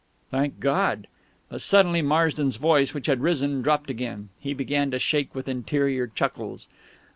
"Thank God " But suddenly Marsden's voice, which had risen, dropped again. He began to shake with interior chuckles.